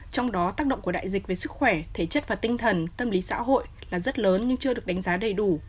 trong đó tác động của đại dịch về sức khỏe thể chất và tinh thần tâm lý xã hội là rất lớn nhưng chưa được đánh giá đầy đủ